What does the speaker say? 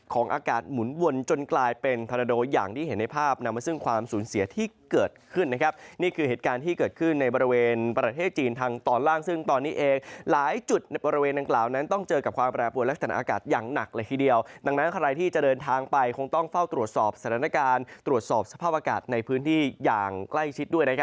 ของอากาศหมุนวนจนกลายเป็นธนโดอย่างที่เห็นในภาพนำมาซึ่งความสูญเสียที่เกิดขึ้นนี่คือเหตุการณ์ที่เกิดขึ้นในบริเวณประเทศจีนทางตอนล่างซึ่งตอนนี้เองหลายจุดในบริเวณดังกล่าวนั้นต้องเจอกับความแปรปวดและสถานะอากาศอย่างหนักเลยทีเดียวดังนั้นใครที่จะเดินทางไปคงต้องเฝ้าตรวจสอบสถ